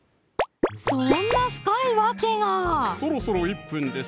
そんな深い訳がそろそろ１分です